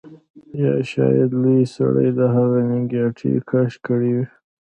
یا شاید لوی سړي د هغه نیکټايي کش کړې وي